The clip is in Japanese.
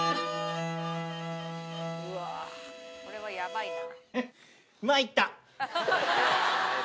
これはヤバいな。